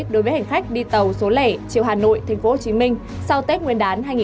đối với hành khách đi tàu số lẻ chiều hà nội tp hcm sau tết nguyên đán hai nghìn hai mươi